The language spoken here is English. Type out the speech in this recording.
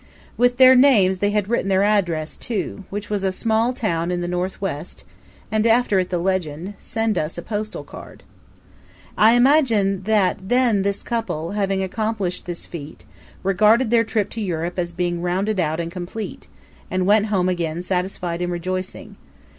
With their names they had written their address too, which was a small town in the Northwest, and after it the legend: "Send us a postal card." I imagine that then this couple, having accomplished this feat, regarded their trip to Europe as being rounded out and complete, and went home again, satisfied and rejoicing.